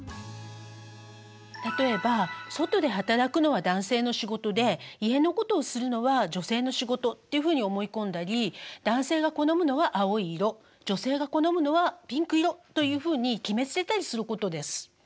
例えば外で働くのは男性の仕事で家のことをするのは女性の仕事っていうふうに思い込んだり男性が好むのは青い色女性が好むのはピンク色というふうに決めつけたりすることです。